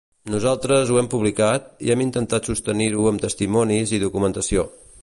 Nosaltres ho hem publicat i hem intentat sostenir-ho amb testimonis i documentació.